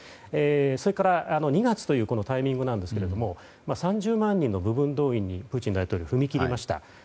それから、２月というこのタイミングですけども３０万人の部分動員にプーチン大統領は踏み切りました。